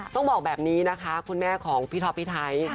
ต้องบอกแบบนี้นะคะคุณแม่ของพี่ท็อปพี่ไทย